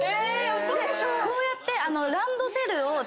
こうやって。